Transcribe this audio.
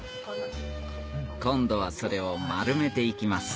今度はそれを丸めていきます